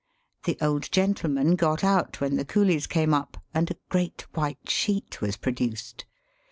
The old gentleman got out when the coolies came up, and a great white sheet was produced.